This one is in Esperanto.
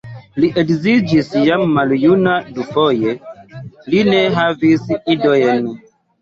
Li edziĝis jam maljuna dufoje, li ne havis idojn.